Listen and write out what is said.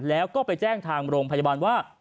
แล้วก็ไปแจ้งทางโรงพยาบาลว่า